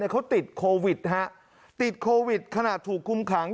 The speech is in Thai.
เขาติดโควิดติดโควิดขณะถูกคุมขัง